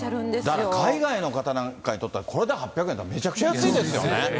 だから海外の方なんかにとっては、これで８００円だったらめちゃくちゃ安いですよね。